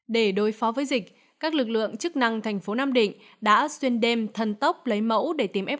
để đối phó với dịch các lực lượng chức năng tp nam định đã xuyên đêm thần tốc lấy mẫu để tìm f